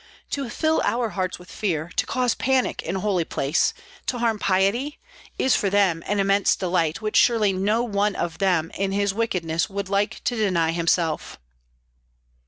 To fill our hearts with fear, to cause panic in a holy place, to harm piety, is for them an immense delight, which surely no one of them in his wickedness would like to deny himself."